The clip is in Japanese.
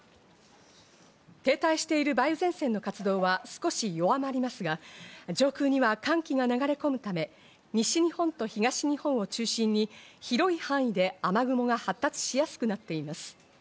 停滞している梅雨前線の活動は少し弱まりますが、上空には寒気が流れ込むため、西日本と東日本を中心に広い範囲で雨雲が発達しやすくなっています。